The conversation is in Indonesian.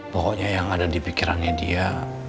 pokoknya yang ada di pikirannya dia